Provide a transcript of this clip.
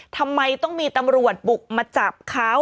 ทำไมต้องมีตำรวจบุกมาจับเขา